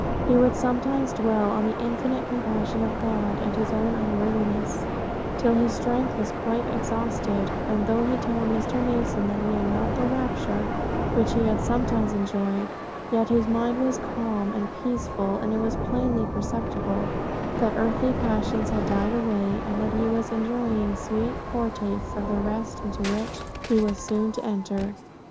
He would sometimes dwell on the infinite compassion of God, and his own unworthiness, till his strength was quite exhausted; and though he told Mr. Mason that he had not the rapture which he had sometimes enjoyed, yet his mind was calm and peaceful; and it was plainly perceptible, that earthly passions had died way, and that he was enjoying sweet foretastes of that rest into which he was so soon to enter.